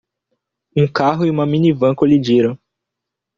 Um carro e uma minivan colidiram.